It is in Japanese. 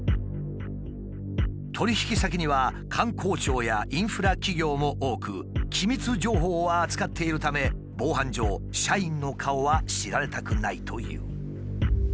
取引先には官公庁やインフラ企業も多く機密情報を扱っているため防犯上社員の顔は知られたくないという。